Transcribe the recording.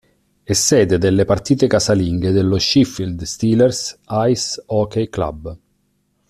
È sede delle partite casalinghe dello Sheffield Steelers Ice Hockey Club.